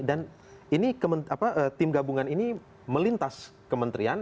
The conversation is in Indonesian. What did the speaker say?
dan tim gabungan ini melintas kementerian